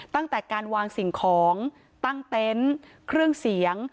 ตั้งแต่การวางสิ่งของตั้งเต็นต์เครื่องเสียง